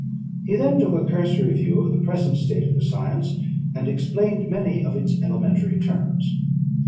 He then took a cursory view of the present state of the science, and explained many of its elementary terms.